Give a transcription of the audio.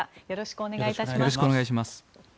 よろしくお願いします。